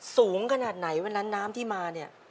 สูงขนาดไหนวันนั้นน้ำที่มาเนี่ย